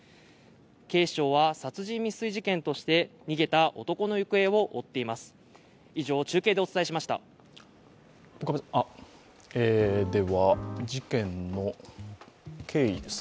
警視庁は殺人未遂事件として、逃げた男の行方を追っています。